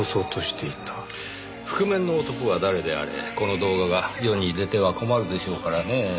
覆面の男が誰であれこの動画が世に出ては困るでしょうからねぇ。